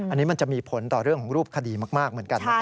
อันนี้มันจะมีผลต่อเรื่องของรูปคดีมากเหมือนกันนะครับ